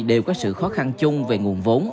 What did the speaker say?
đều có sự khó khăn chung về nguồn vốn